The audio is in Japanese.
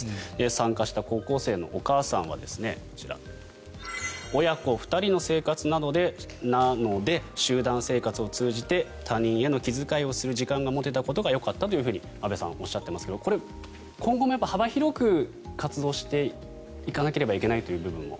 参加した高校生のお母さんはこちら、親子２人の生活なので集団生活を通じて他人への気遣いをする時間が持てたことがよかったと安部さん、おっしゃってますが今後も幅広く活動しなければいけないという部分も。